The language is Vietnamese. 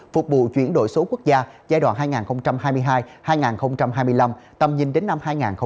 phục vụ chuyển đổi số quốc gia giai đoạn hai nghìn hai mươi hai hai nghìn hai mươi năm tầm nhìn đến năm hai nghìn ba mươi